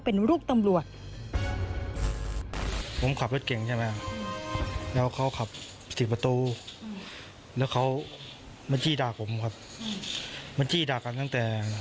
พอขี่รถหนีไปเซเว่นปุ๊บเขาลงมาจากรถ